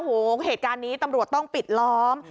โอ้โหเหตุการณ์นี้ตำรวจต้องปิดล้อม